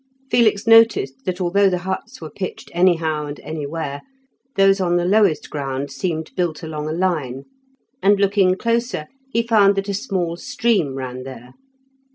Felix noticed, that although the huts were pitched anyhow and anywhere, those on the lowest ground seemed built along a line, and, looking closer, he found that a small stream ran there.